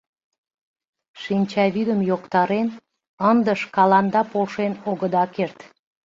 Шинчавӱдым йоктарен, ынде шкаланда полшен огыда керт.